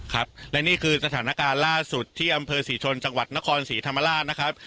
ครับและนี่คือสถานการณ์ล่าสุดที่อำเภอศรีชนจังหวัดนครศรีธรรมราชนะครับ